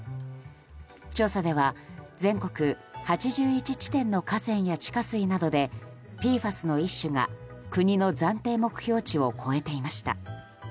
調査では、全国８１地点の河川や地下水などでＰＦＡＳの一種が、国の暫定目標値を超えていました。